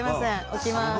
起きます。